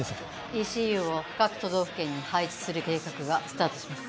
ＥＣＵを各都道府県に配置する計画がスタートします。